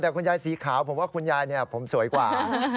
แต่คุณยายสีขาวผมว่าคุณยายผมสวยกว่า